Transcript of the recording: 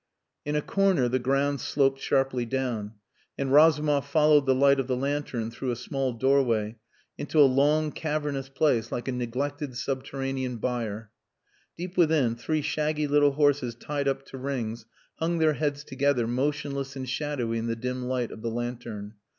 In a corner the ground sloped sharply down, and Razumov followed the light of the lantern through a small doorway into a long cavernous place like a neglected subterranean byre. Deep within, three shaggy little horses tied up to rings hung their heads together, motionless and shadowy in the dim light of the lantern.